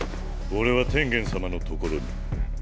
俺は天元様のところに。